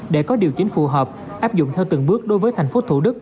để có điều chỉnh phù hợp áp dụng theo từng bước đối với thành phố thủ đức